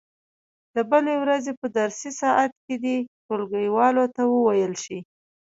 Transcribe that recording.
د بلې ورځې په درسي ساعت کې دې ټولګیوالو ته وویل شي.